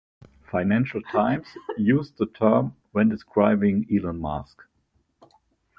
"Financial Times" used the term when describing Elon Musk.